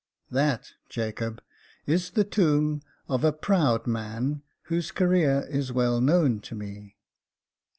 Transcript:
That, Jacob, is the tomb of a proud rtian, whose career is well known to me.